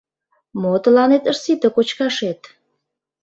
Мо тыланет ыш сите кочкашет?